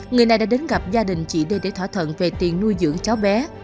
người này đã đến gặp gia đình chị d để thỏa thuận về tiền nuôi dưỡng cháu bé